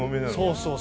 そうそう。